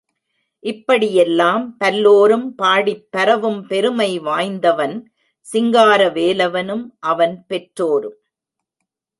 இப்படியெல்லாம் பல்லோரும் பாடிப் பரவும் பெருமை வாய்ந்தவன் சிங்காரவேலவனும் அவன் பெற்றோரும்.